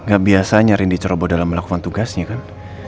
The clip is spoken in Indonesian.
gak biasanya randy coroboh dalam melakukan tugasnya kan